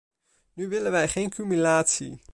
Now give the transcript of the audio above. Nu willen wij geen cumulatie.